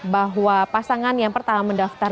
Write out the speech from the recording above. bahwa pasangan yang pertama mendaftar